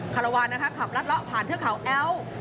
ฮารวาลนะครับขับรัดละผ่านเทือเขาแอล